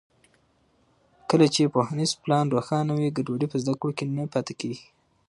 کله چې پوهنیز پلان روښانه وي، ګډوډي په زده کړو کې نه پاتې کېږي.